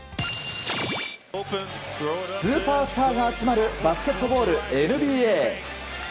スーパースターが集まるバスケットボールＮＢＡ。